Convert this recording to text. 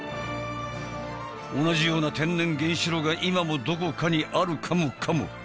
同じような天然原子炉が今もどこかにあるかもかも？